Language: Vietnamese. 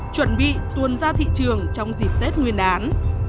chuẩn bị tuôn ra thị trường trong dịp tết nguyên đán